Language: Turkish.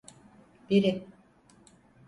Biri.